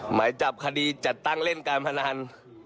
หมายจับคดีจัดตั้งเล่นการพนัน